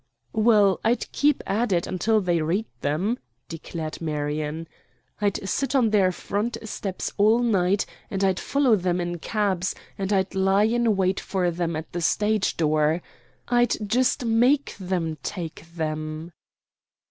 "Well, I'd keep at it until they read them," declared Marion. "I'd sit on their front steps all night and I'd follow them in cabs, and I'd lie in wait for them at the stage door. I'd just make them take them."